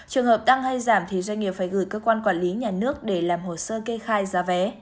trường hợp đang hay giảm thì doanh nghiệp phải gửi cơ quan quản lý nhà nước để làm hồ sơ kê khai giá vé